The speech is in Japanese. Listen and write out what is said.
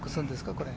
これ。